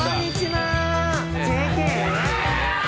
ＪＫ？